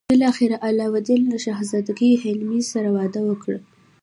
بالاخره علاوالدین له شهزادګۍ حلیمې سره واده وکړ.